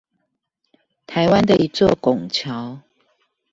台灣的一座拱橋